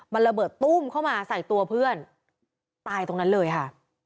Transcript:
มันระเบิดตุ้มเข้ามาใส่ตัวเพื่อนตายตรงนั้นเลยค่ะ